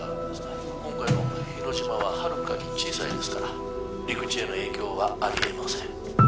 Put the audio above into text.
今回の日之島ははるかに小さいですから陸地への影響はあり得ません